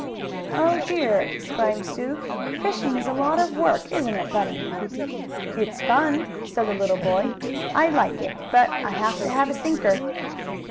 "Oh, dear!" exclaimed Sue. "Fishing is a lot of work; isn't it, Bunny?" "It's fun," said the little boy. "I like it, but I have to have a sinker."